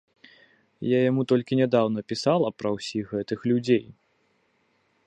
Я яму толькі нядаўна пісала пра ўсіх гэтых людзей.